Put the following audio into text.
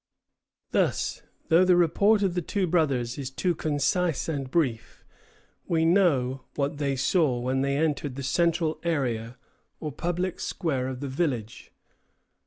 ] Thus, though the report of the two brothers is too concise and brief, we know what they saw when they entered the central area, or public square, of the village.